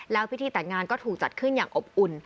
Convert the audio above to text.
แล้วพิธีแต่งงานก็ถูกจัดขึ้นอย่างอบอุ่น